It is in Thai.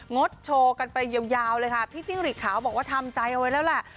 ดโชว์กันไปยาวเลยค่ะพี่จิ้งหลีดขาวบอกว่าทำใจเอาไว้แล้วแหละ